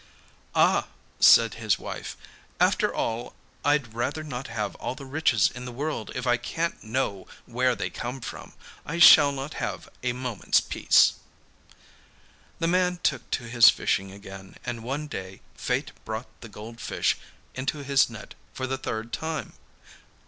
'Ah!' said his wife, 'after all I'd rather not have all the riches in the world if I can't know where they come from I shall not have a moment's peace.' The man took to his fishing again, and one day fate brought the gold fish into his net for the third time.